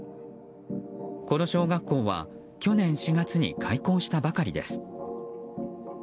この小学校は去年４月に開校したばかりです。